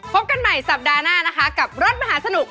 พบกันใหม่สัปดาห์หน้านะคะกับรถมหาสนุก